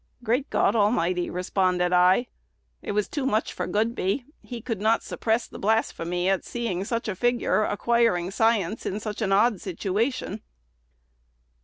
'Great God Almighty!' responded I." It was too much for Godbey: he could not suppress the blasphemy at seeing such a figure acquiring science in such an odd situation.